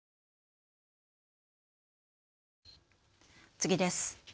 次です。